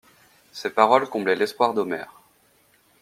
Ses paroles comblaient l'espoir d'Omer.